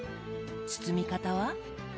包み方は？